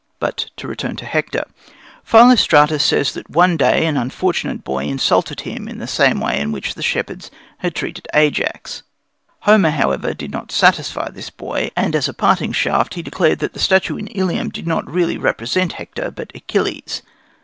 But to return to Hector. Philostratus says that one day an unfortunate boy insulted him in the same way in which the shepherds had treated Ajax. Homer, however, did not satisfy this boy, and as a parting shaft he declared that the statue in Ilium did not really represent Hector, but Achilles.